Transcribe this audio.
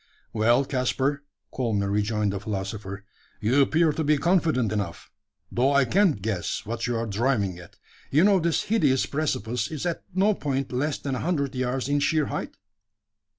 "Well, Caspar," calmly rejoined the philosopher, "you appear to be confident enough; though I can't guess what you are driving at. You know this hideous precipice is at no point less than a hundred yards in sheer height?"